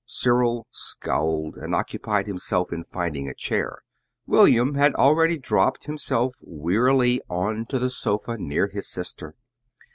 Cyril scowled, and occupied himself in finding a chair. William had already dropped himself wearily on to the sofa near his sister.